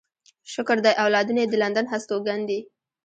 شکر دی اولادونه يې د لندن هستوګن دي.